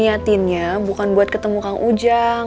iya diniatinnya bukan buat ketemu kang ujung